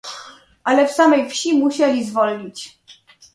"Ale w samej wsi musieli zwolnić."